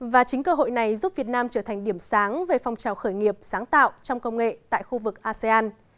và chính cơ hội này giúp việt nam trở thành điểm sáng về phong trào khởi nghiệp sáng tạo trong công nghệ tại khu vực asean